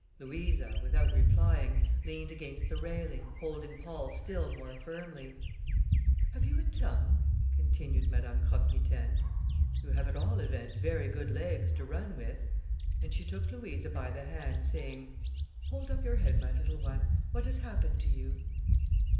Louisa, without replying, leaned against the railing, holding Paul still more firmly. "Have you a tongue?" continued Madame Croque Mitaine. "You have at all events very good legs to run with," and she took Louisa by the hand, saying, "Hold up your head, my little one, what has happened to you?"